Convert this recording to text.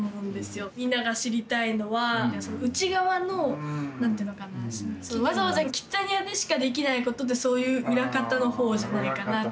みんなが知りたいのは内側の何ていうのかなわざわざキッザニアでしかできないことでそういう裏方のほうじゃないかなとか思って。